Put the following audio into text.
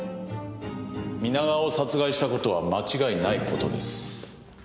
皆川を殺害した事は間違いない事です。